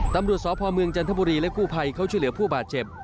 ตำรวจสพเมืองจันทบุรีและกู้ภัยเขาช่วยเหลือผู้บาดเจ็บ